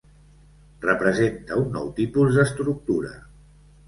Representa un nou tipus d'estructura.